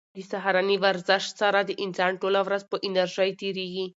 په سهارني ورزش سره د انسان ټوله ورځ په انرژۍ تېریږي.